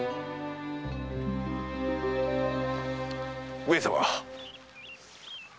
上様。